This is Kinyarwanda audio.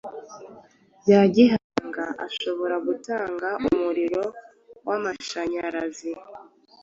bya gihanga ashobora gutanga umuriro w’amashanyarazi.